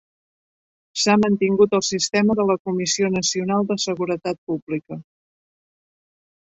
S'ha mantingut el sistema de la Comissió Nacional de Seguretat Pública.